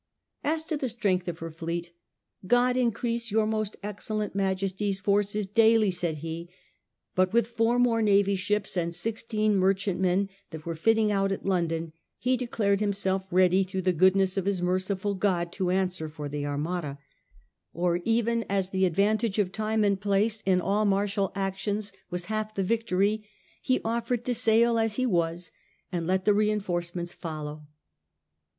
As to the strength of her fleet, " God increase your most excellent Majesty's forces daily," said he; but with four more navy ships and sixteen merchantmen that were fitting out at London, he declared himself ready through the goodness of his merciful God to answer for the Armada — or even, as the advantage of time and place in all martial actions was half the victory, he oflered to sail as he was, and let the reinforcements follow.